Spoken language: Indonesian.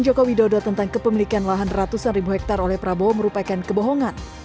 jokowi dodo tentang kepemilikan lahan ratusan ribu hektare oleh prabowo merupakan kebohongan